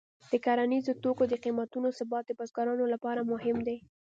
د کرنیزو توکو د قیمتونو ثبات د بزګرانو لپاره مهم دی.